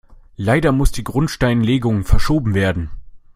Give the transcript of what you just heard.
Leider muss die Grundsteinlegung verschoben werden.